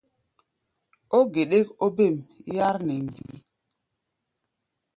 Ó geɗɛ́k óbêm yár nɛ mgbií.